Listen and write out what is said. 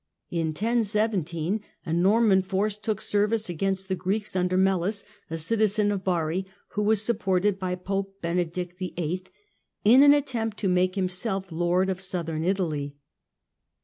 In 1017 a Norman force took service against the Greeks under Melus, a citizen of Bari, who was supported by Pope Benedict VIII. in an attempt to make himself lord of Southern Italy.